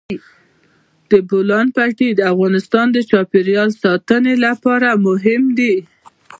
د بولان پټي د افغانستان د چاپیریال ساتنې لپاره مهم دي.